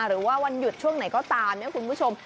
หรือว่าวันหยุดช่วงไหนก็ตามเนี่ยคุณผู้ชม